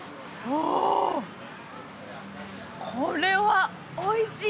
おおこれはおいしい